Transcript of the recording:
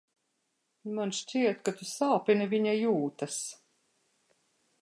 Man šķiet, ka tu sāpini viņa jūtas.